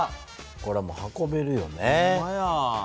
これもう運べるよね。